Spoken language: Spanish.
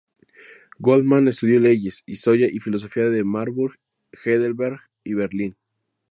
Goldmann estudió leyes, historia, y filosofía en Marburg, Heidelberg, y Berlín.